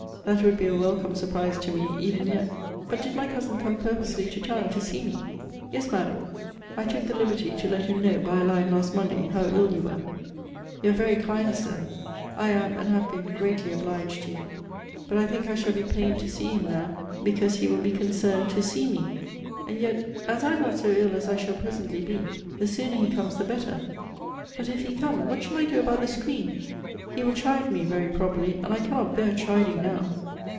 That would be a welcome surprise to me, even yet. But did my cousin come purposely to town to see me? Yes, Madam, I took the liberty to let him know, by a line last Monday, how ill you were. You are very kind, Sir. I am, and have been greatly obliged to you. But I think I shall be pained to see him now, because he will be concerned to see me. And yet, as I am not so ill as I shall presently be the sooner he comes the better. But if he come, what shall I do about the screen? He will chide me, very probably, and I cannot bear chiding now.